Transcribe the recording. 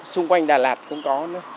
xung quanh đà lạt cũng có